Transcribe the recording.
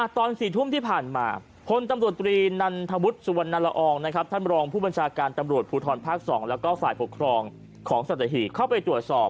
ท่านมรองผู้บัญชาการตำรวจภูทรภาค๒แล้วก็ฝ่ายปกครองของสัตวิธีเข้าไปตรวจสอบ